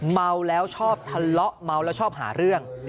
เมาแล้วชอบทะเลาะเมาแล้วชอบหาเรื่อง